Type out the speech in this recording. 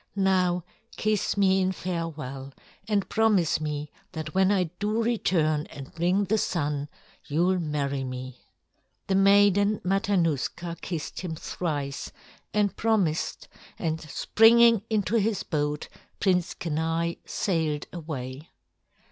Now kiss me in farewell and promise me that when I do return and bring the Sun, you'll marry me." The Maiden Matanuska kissed him thrice and promised, and springing into his boat, Prince Kenai sailed away.